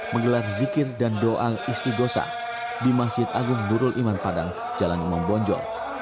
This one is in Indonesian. menggelar zikir dan doa isti gosah di masjid agung nurul iman padang jalan imam bonjol